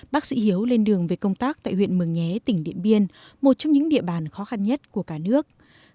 bác sĩ hiếu lên đường về công tác tại huyện mường nhé tỉnh điện biên một trong những địa bàn khó khăn nhất của cả nước